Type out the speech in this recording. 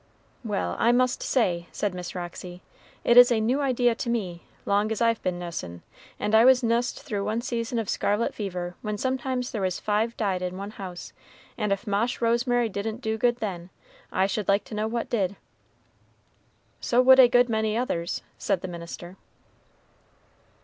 "Well, I must say," said Miss Roxy, "it is a new idea to me, long as I've been nussin', and I nussed through one season of scarlet fever when sometimes there was five died in one house; and if ma'sh rosemary didn't do good then, I should like to know what did." "So would a good many others," said the minister.